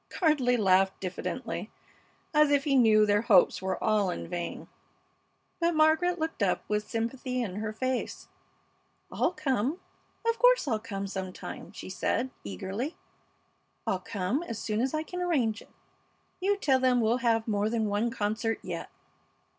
Gardley laughed diffidently, as if he knew their hopes were all in vain. But Margaret looked up with sympathy in her face, "I'll come! Of course I'll come some time," she said, eagerly. "I'll come as soon as I can arrange it. You tell them we'll have more than one concert yet."